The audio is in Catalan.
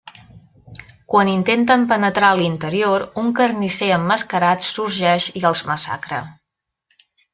Quan intenten penetrar a l'interior, un carnisser emmascarat sorgeix i els massacra.